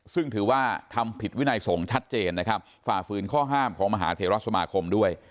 ซึ่งถือว่าทำผิดวินัยสงฆ์ชัดเจนนะครับฝ่าฝืนข้อห้ามของมหาเทราสมาคมด้วย